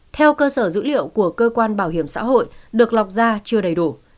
theo cơ sở dữ liệu của cơ quan bảo hiểm xã hội được lọc ra chưa đầy đủ